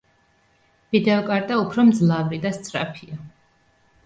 ვიდეო კარტა უფრო მძლავრი და სწრაფია.